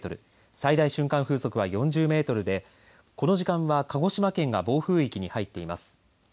最大瞬間風速は４０メートルでこの時間は鹿児島県が暴風域に入っています。